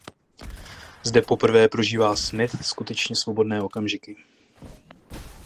Zde poprvé prožívá Smith skutečně svobodné okamžiky.